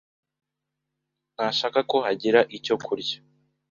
ntashaka ko hagira icyo kurya.